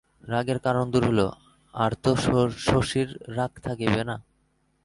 রাগের কারণ দূর হইল, আর তো শশীর রাগ থাকিবে না।